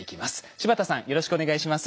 柴田さんよろしくお願いします。